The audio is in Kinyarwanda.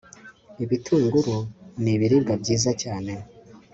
ibitunguru ni ibiribwa byiza cyane